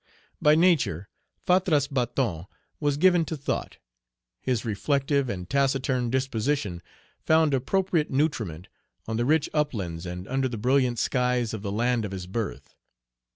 By nature Fatras Bâton was given to thought. His reflective and taciturn disposition found appropriate nutriment on the rich uplands and under the brilliant skies of the land of his birth.